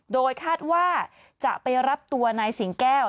โดยคาดว่าจะไปรับตัวนายสิงแก้ว